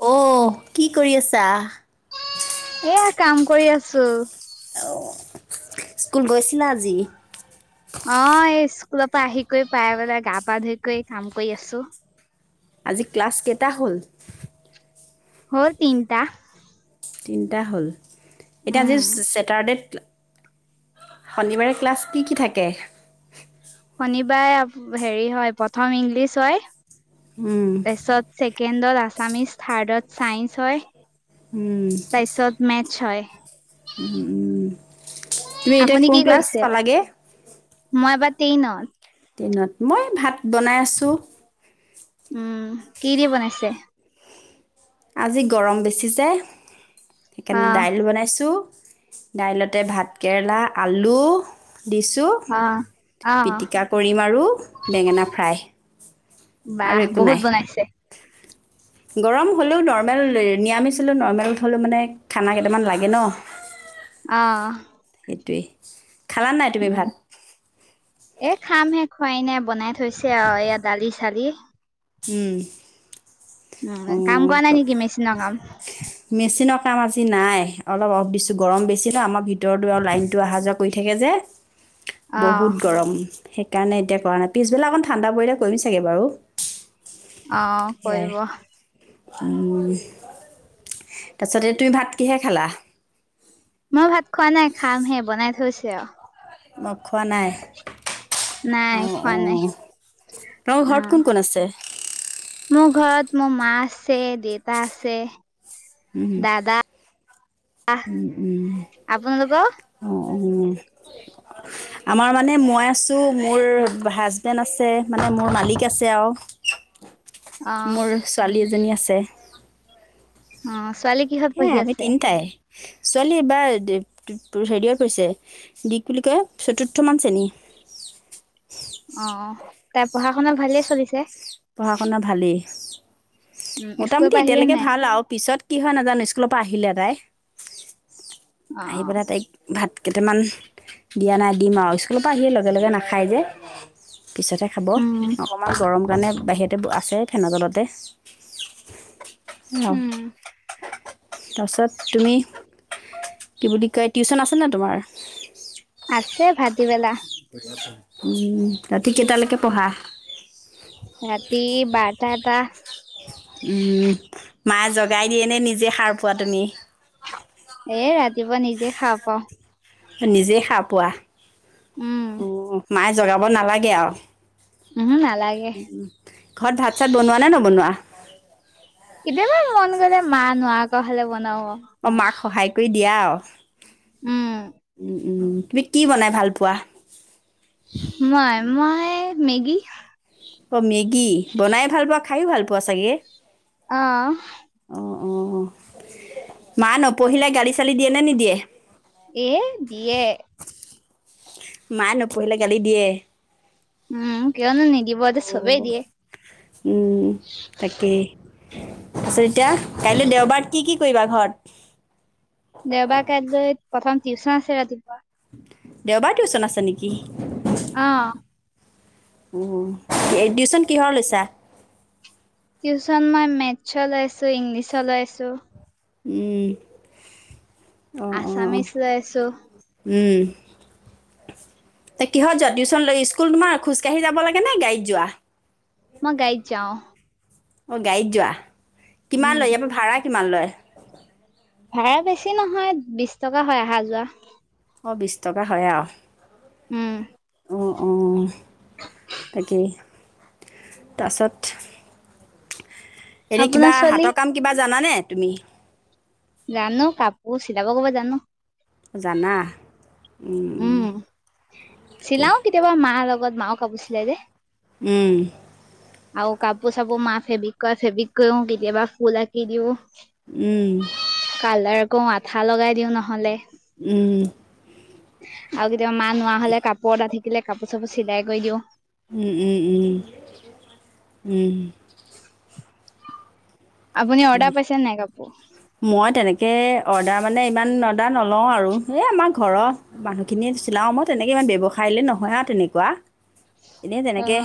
অ', কি কৰি আছা? এয়া কাম কৰি আছো। স্কুল গৈছিলা আজি? অ', এ চ লৰ পৰা আহি কৰি পাই লাগে গা পা ধুইকৈ কাম কৰি আছো। আজি ক্লাছ কেইটা হ'ল? হ'ল তিনটা। তিনিটা হ'ল। এতিয়া আজি উম ছেটাৰডেত শনিবাৰে ক্লাছ কি কি থাকে? শনিবাৰে হেৰি হয় প্ৰথম ইংলিছ হয়। উম, তাৰিছত চ কেণ্ডত আছামিছ থাৰ্ডত চাইন্স হয়। উম, তাৰপিছত মেট্চ হয়। তুমি এতিয়া আপুনি কোন কি ক্লাছ কৰিছে পালাগে? মই এবাৰ টেইনত। টেনত, মই ভাত বনাই আছোঁ। উম, কি দি বনাইছে? আজি গৰম বেছি যায়। সেইকাৰণে আহ দাইল বনাইছো। দাইলতে ভাতকেৰেলা, আলু দিছোঁ আহ আহ পিটিকা কৰিম আৰু বেঙেনা ফ্ৰাই আৰু বাহ একো বহুত নাই। বনাইছে গৰম হ'লেও নৰ্মেল নৰামিছিলোঁ নৰ্মেল হ'লেও মানে খানা কেইটামান লাগে ন'। অহ। দি খালা নাই তুমি ভাত? এ খামহে খুৱাই নাই বনাই থৈছে আৰু এয়া দালি চালি। উম উম কাম কৰা নাই নেকি মেচিনৰ কাম মেচিনৰ কাম আজি নাই অলপ অফ দিছো গৰম বেছি ন আমাৰ ভিতৰত ভিতৰ দ লাইনটো অহা যোৱা কৰি থাকে যে অ', বহুত গৰম সেইকাৰণে এতিয়া কৰা নাই পিছবেলা অকণ ঠাণ্ডা পৰিলে কৰিম চাগে বাৰু অ সেয়াই কৰিব উম [unintelligible] তাৰ পিছতে তুমি ভাত কিহে খালা মই ভাত খোৱা নাই খামহে বনাই থৈছে আৰু মই খোৱা নাই নাই অ অ খোৱা নাই তোমাৰ ঘৰত অ', কোন কোন আছে মোৰ ঘৰত মোৰ মা আছে দেতা আছে উম দাদা উম উম আপোনালোকৰ? অ উম আমাৰ মানে মই আছোঁ মোৰ হাজবেণ্ড আছে মানে মোৰ মালিক আছে আৰু অ', মোৰ ছোৱালী এজনী আছে অ ছোৱালী কিহত সেয়াই পঢ়ি আমি আছে তিনিটাই ছোৱালী এইবাৰ হেৰিত পঢ়িছে দিক বুলি কয় চতুৰ্থ মান শ্ৰেণী অ তাই পঢ়া শুনা ভালেই চলিছে পঢ়া শুনা ভালেই উম, স্কুলৰ মোটামুটি পৰা আহিলে এতিয়ালৈকে নাই? ভাল আৰু পিছত কি হয় নাজানো স্কুলত পাহিলে তাই অ', আহি অ', পেলাই তাইক ভাত কেইটামান দিয়া নাই দিম আৰু স্কুলৰ পৰা আহিয় লগে লগে নাখায় যে পিছতহে খাব উম, অকণমান গৰম মানে বাহিৰতে আছে ফেনৰ তলতে উ উম। তাৰপিছত তুমি কি বুলি কয় টিউশ্যন আছেনে নাই তোমাৰ আছে ভাটিবেলা উম ৰাতি কেইটালৈকে পঢ়া ৰাতি বাৰটা এটা উম মায়ে জগাই দিয়ে নে নিজ জে সাৰ পোৱা তুমি এ ৰাত পুৱা নিজে শাৰ পাওঁ। নিজেই শাৰ পোৱা। উম, মাই জগাব নালাগে আৰু। [unintelligible] ঘৰত ভাত চাত বনোৱা নে নবনোৱা? কেতিয়াবা মন গ'লে মা নোৱাৰ কোৱা হ'লে বনাওঁ। ন'। দিয়াও উম উম, তুমি কি বনাই ভাল পোৱা? মই, মই মেগী। অ', মেগী বনাই ভাল পোৱা, খায়ো ভাল পোৱা চাগে? অহ। অ', অ', মা নপঢ়িলে গালি চালি দিয়ে নে নিদিয়ে? এ, দিয়ে। মায় নপঢ়িলে গালি দিয়ে। উম, কিয়নো নিদ অ', উম, তাকেই। পাছত এতিয়া কাইলৈ দেওবাৰত কি, কি কি কৰিবা ঘৰত? দেওবাৰ কাইলৈ প্ৰথম টিউচন আছে ৰাতিপুৱা। দেওবাৰ টিউচন আছে নেকি? অ'। অ', টিউচন কিহৰ লৈছা? টিউচন মই মেথছ লৈছোঁ, ইংলিছ লৈছোঁ। উম। অ', অ', আছামিছ লৈ আছো, উম। কিহত যোৱা টিউচন লৈ ইস্কুল তোমাৰ খোজকাঢ়ি যাব লাগে নে, গাড়ীত যোৱা? মই গাড়ীত যাওঁ। অ', গাড়ীত যোৱা। কিমান উম, লয় ইয়াৰ পৰা ভাড়া কিমান লয়? ভাড়া বেছি নহয় বিচ টকা হয়, আহা যোৱা। অ', বিচ টকা হয়, আও। উম। অ', অ', তাকেই তাছত এনে আপোনাৰ কিবা ছোৱালী হাতৰ কাম কিবা জানানে? তূমি জানো কাপোৰ চিলাব কব জানো। জানা। উম তাকেই চিলাও কেতিয়াবা মা লগত কত মাও কাপুছিলে যে। উম। আৰু কাপোৰ চাপোৰ মাহ ফেব্ৰিক কৰা ফেব্ৰিক কৰিও কেতিয়াবা ফুল আঁকি দিও। উম। আকৌ আঠা লগাই দিওঁ নহ'লে। উম। আৰু কেতিয়াবা মা নোৱা হলে কাপোৰ এটা থ। দিলে কাপোৰ চাপোৰ চিলাই কৰি দিওঁ। উম, উম, উম, উম। আপুনি অৰ্ডাৰ পাইছে নাই কাপোৰ। তাকে অৰ্ডাৰ মানে ইমান অৰ্ডাৰ নলওঁ আৰু এই আমাৰ ঘৰৰ মানুহখিনি চিলাওঁ মই তেনেকৈ ইমান ব্যৱসায়িললৈ নহয় আৰু তেনেকুৱা। এনে অ তেনেকে।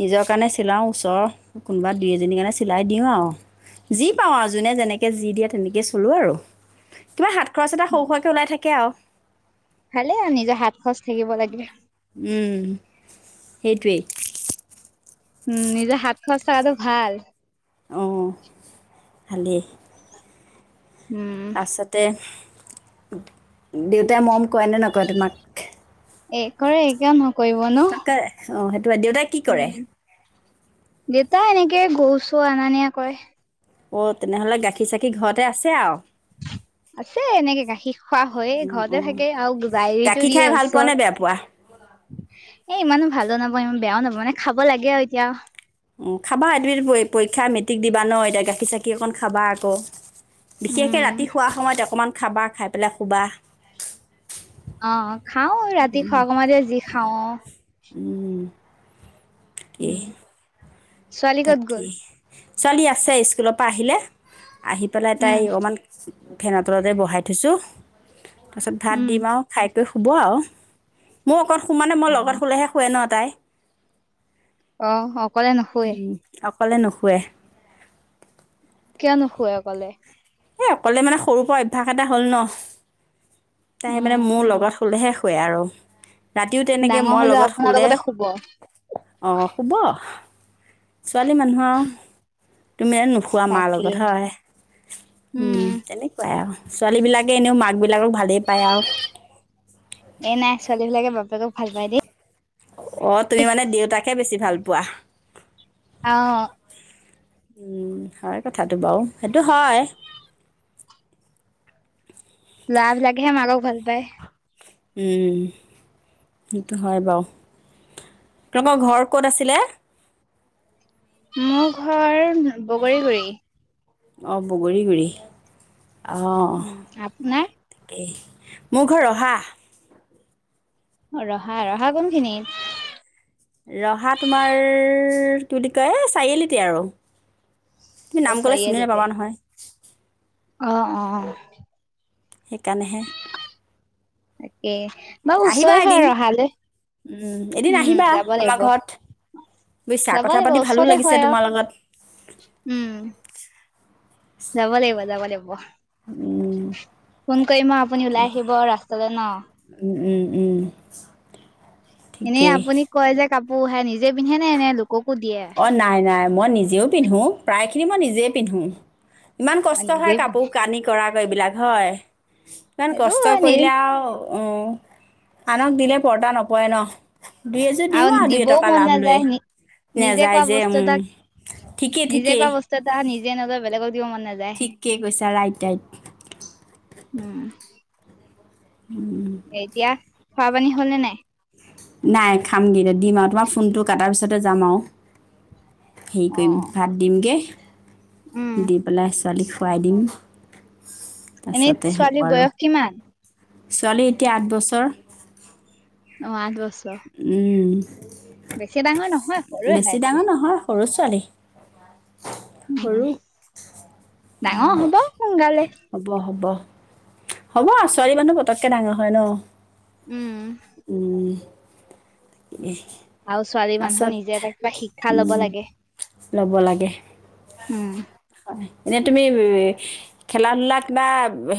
নিজৰ কাৰণে চিলাওঁ ওচৰৰ কোনোবা দুই এজনীৰ কাৰণে চিলাই দিওঁ আৰু। যি পাওঁ আৰু যোনে যেনেকে যি দিয়ে তেনেকে চলো আৰু কিবা হাত খৰচ এটা সৰু সোৱকে ওলাই থাকে আৰু। ভালে আৰু নিজৰ হাত খচ থাকিব লাগে। সেইটোৱেই। উম নিজে হাত খোৱাচ থাককাটো ভাল। অহঁ ভাললেই উম তাৰপাছতে। দেউতাই মম কয় নে নকয় তোমাক। এই কৰেৰে কিয় নকৰে। কৰিব নো। তাকে অঁ সেই। তোমাৰ দেউতাই কি কৰে। দেউতা এনেকে গৰু চৌ অনা নিয়া কৰে। অ তেনেহলে গাখীৰ চাখীৰ ঘৰতে আছে আৰু। আছে এনেকে গাখীৰ খোৱা হয় অঁ ঘৰতে থাকে আৰু গাইৰিতটো গাখীৰ দিয়ে খাই ভাল পোৱা নে বেয়া পোৱা ওচৰত এ ইমানো ভাল নাপা ইমান। বেয়াও নব মানে খাব লাগে আৰু এতিয়া। উ খাবা এইট পৰীক্ষা মেট্ৰিক দিবা ন এতিয়া গাখীৰ চখি অকণ খাবা আকৌ। বিশেষকে উম ৰাতি শোৱা সময়ত অকণমান। খাবা খাই পেলাই হুবা। অ খাওঁ ৰাতি খোৱা কমা দিয় যি। গাওঁ। উম। কি। উম ছোৱালী ক'ত তাকে গ'ল? চলি আছে স্কুলৰ পৰা আহিলে। আহি পেলাই তাই উম অকমান ফেন তলতে বহাই থৈছোঁ। তাৰ পাছত ভাত উম দিম আৰু খাই শুব আৰু মোৰ লগত শুমানে মই অ লগত শুলেহে শুৱে ন তাই। অ অ। উম অ কলে নোখোৱে। কিয় নুশুৱে অকলে। এই অকলে মানে সৰুৰ পৰা অভ্যাস এটা হ'ল ন। তাই মানে উম মোৰ লগত শুলেহে শু ৱে আৰু। ৰাতিও তেনেকে ডাঙৰ মই হলেও লগত আপোনাৰ শুলে লগতে শুব অ শুব। ছোৱালী মানুহ আৰু। তুমিয়ে নোখোৱা মাৰ তাকেই লগত হয়? উম তেনেকুৱাই। ছোৱালী বিলাকে এনেও মাক বিলাকক ভাল পায়। পায় আৰু ছোৱালীবিলাকে বাপেকক ভাল পাই দেই। অ তুমি মানে দেউতাকে বেছি ভাল পা পোৱা। অ উম হয় কথাটো বাৰু সেইটো হয়। লৰা বিলাককহে মাকক ভাল পায়। উম সেইটো হয় বাৰু, তোমালোকৰ ঘৰ ক'ত আছিলে? মোৰ ঘৰ বগৰীগুৰি। অ বগৰীগুৰী। অ উম আপোনাৰ তাকেই। মোৰ ঘৰ ৰহা। ৰহা ৰহা কোনখিনিত? ৰহা তোমাৰ কি বুলি কয় এ চাৰিআলিতে আৰু। তুমি অ নাম ক'লে চিনি চাৰিআলিতে নাপাবা নহয় অ অ। সেইকানেহে এক এ বাৰু আহিবা ওচৰে হয় এদিন। ৰহালে, উম, এদিন উম আহিবা যাব আমাৰ লাগিব ঘৰত বুজিছা যাব কথা লাগিব পাতি ভালো ওচৰতে লাগিছে হয় আৰু তোমাৰ লগত। উম। যাব লাগিব যাব লাগিব। উম, ফোন কৰিম মই আপুনি ওলাই কি- আহিব ৰাস্তালৈ ন। উম, উম, উম এনেই ঠিকেই। আপুনি কয় যে কাপোৰ হে নিজে পিন্ধে নে নে লোক অ নাই নাই মই নিজেও পিন্ধো প্ৰায়খিনি মই নিজেই পিন্ধো ইমান অ কষ্ট নিজে হয় পিন্ধে কাপোৰ কানি কৰা এইবিলাক হয় ইমান সেইটো কষ্ট হয় নি কৰিলে আৰু অ আনক দিলে পৰ্টা নপৰে ন দুই এযোৰ দিও আৰু দুই দিবও এটকা মন লাভ লৈ নাযায় নি নিজে নাযায় কোৱা যে বস্তু উম এটা ঠিকেই নিজে ঠিকেই কোৱা বস্তু এটা নিজে নলৈ বলেগ ঠিকেই কৈছা ৰাইট ৰাইট উম, এতিয়া খোৱা পানী হ'লে নে নাই নাই খামগৈ দিম আৰু তোমাৰ ফোনটো কটাৰ পিছতে যাম আৰু হেৰি কৰিম অ', ভাত দিমগে উম, দি পেলাই ছোৱালীখন [unintelligible] উপাই দিম এনেই তাৰপাছতে হ'ব ছোৱালীৰ আৰু বয়স কিমান ছোৱালী এতিয়া আঠ বছৰ অ আঠ ব উম বেছি ডাঙৰ নহয় সৰুৱে হৈ বেছি আছে ডাঙৰ নহয় [unintelligible] উ সৰু ডাঙৰ হ'ব সোনকালে হ'ব হ'ব হ'ব ছোৱালী মানুহ পতককে ডাঙৰ হয় ন উম, উম কি আৰু ছোৱালী মানুহ নিজে এটা কিবা শিক্ষা লব উম লাগে ল'ব উম। এনেই তুমি খেলা ধূলা কিবা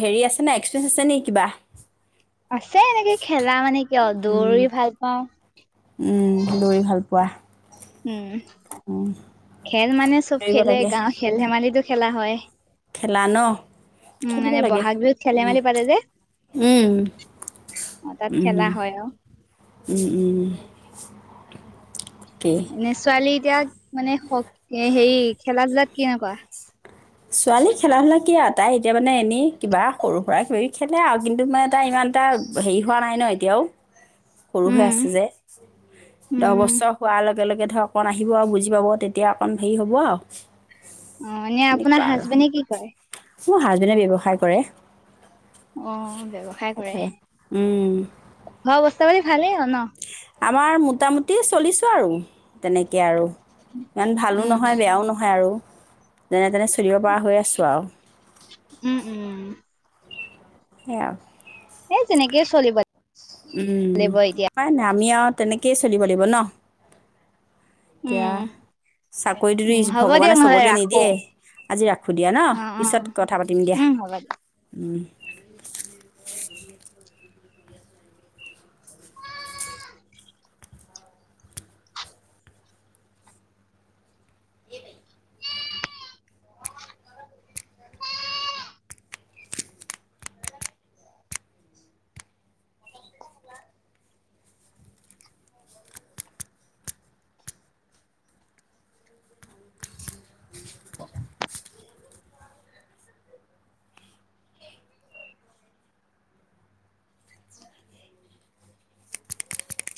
হেৰি আছে নে এক্সপিৰিয়েঞ্চ আছে নেকি কিবা? আছে এনেকে খেলা মানে কিয় উম দৌৰি ভাল পাওঁ। উম দৌৰি ভাল পোৱা উম উম খেল মানে চব দৌৰিব খেলে লাগে গাওঁ খেল ধেমালি টো খেলা হয়। খেলা ন উম, খেলিব মানে লাগে বহাগ বিহুত খেল উম, ধেমালি পাতে যে উম, অ' তাত উম, খেলা হয় আৰু উম, উম। কি এনে ছোৱালী এতিয়া মানে হক এ হেৰি খেলা ধূলাত কেনেকুৱা? ছোৱালী খেলা ধুলা কি আৰু তাই এতিয়া মানে এনেই কিবা সৰু সুৰা কিবা কিবি খেলে আৰু কিন্তু মানে তাই ইমান এটা হেৰি হোৱা নাই ন এতিয়াও। সৰু হৈ উম, আছে যে দহ উম, বছৰ হোৱা লকে বেলেগ এধকন আহিব আৰু বুজি পাব তেতিয়া অকণ হেৰি হ'ব আৰু। অ ', এনে এনেকুৱা আপোনাৰ আৰু হাজবেণ্ডে কি কৰে? মোৰ হাজবেণ্ডে ব্যৱসায় কৰে। অ', ব্যৱসায় কৰে উম, খোৱা বস্তু চেলাৰি ভালেই আৰু ন। আমাৰ মোটামুটি চলিছোঁ আৰু তেনেকৈ আৰু। ইমান ভালো উম, নহয় বেয়াও নহয় আৰু। যেনে তেনে চলিব পৰা হৈ আছো আৰু। উম, উম। সেয়া আৰু। সেই তেনেকে চলিব উম লাগিব এতিয়া। উপায় নাই আমি আৰু তেনেকয়ে চলিব লাগিব ন। উম, এতিয়া উম, চাকৰিটো হ'ব ভগৱানে দিয়ক নহ'লে চবকে ৰাখো। নিদিয়ে। আজি ৰাখো দিয়া ন অ', পিছত অ', কথা পাতিম দিয়া উম, হ'ব দিয়ক। উম। [inaudible] [inaudible] [inaudible] [inaudible] [inaudible]